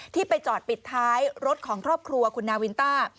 ไปจอดปิดท้ายรถของครอบครัวคุณนาวินต้า